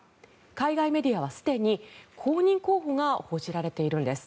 海外メディアはすでに後任候補が報じられているんです。